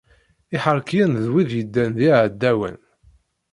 Iḥerkiyen d wid yeddan d yeɛdawen.